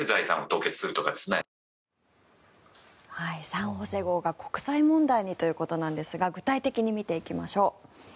「サン・ホセ号」が国際問題にということなんですが具体的に見ていきましょう。